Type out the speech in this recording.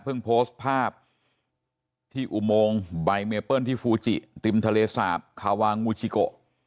โพสต์ภาพที่อุโมงใบเมเปิ้ลที่ฟูจิติมทะเลสาปคาวางมูชิโก